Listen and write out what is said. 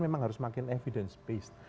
memang harus makin evidence space